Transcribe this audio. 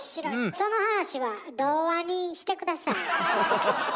その話は童話にして下さい。